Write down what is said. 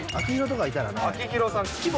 秋広さん。